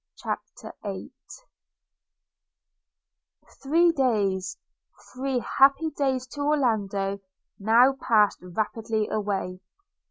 CHAPTER VIII THREE days, three happy days to Orlando, now passed rapidly away.